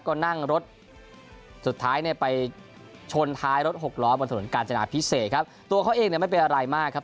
ก็นั่งรถสุดท้ายเนี่ยไปชนท้ายรถหกล้อบนถนนกาญจนาพิเศษครับตัวเขาเองเนี่ยไม่เป็นอะไรมากครับ